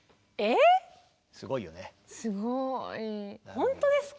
本当ですか。